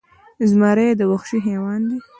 زمری وخشي حیوان دې